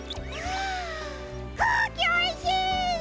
あくうきおいしい！